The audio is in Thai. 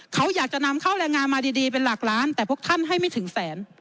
เขาอยากจะนำเข้าแรงงานมาดีเป็นหลักล้านแต่พวกท่านให้ไม่ถึงแสน